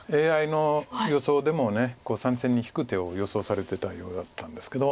ＡＩの予想でも３線に引く手を予想されてたようだったんですけど。